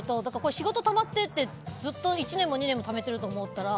仕事たまっててずっと１年も２年もためてると思ったら。